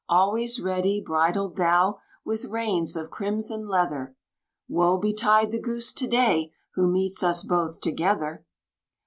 Always ready bridled thou, with reins of crimson leather; Woe betide the Goose to day who meets us both together!